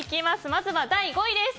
まずは第５位です。